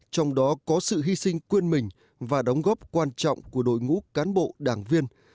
trong đó có sự hy sinh quên mình và đóng góp quan trọng của đội ngũ cán bộ đảng viên